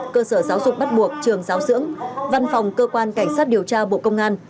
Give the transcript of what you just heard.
cơ sở giáo dục bắt buộc trường giáo dưỡng văn phòng cơ quan cảnh sát điều tra bộ công an